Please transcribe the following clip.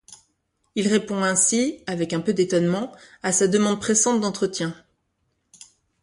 Il répond ainsi - avec un peu d’étonnement - à sa demande pressante d’entretien.